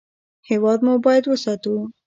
هېواد مو باید وساتو